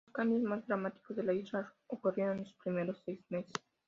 Los cambios más dramáticos en la isla ocurrieron en sus primeros seis meses.